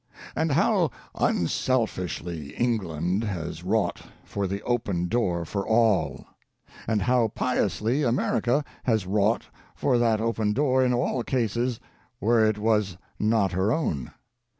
And how unselfishly England has wrought for the open door for all! And how piously America has wrought for that open door in all cases where it was not her own!